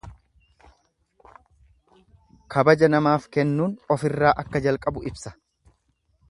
Kabaja namaaf kennuun ofirraa akka jalqabu ibsa.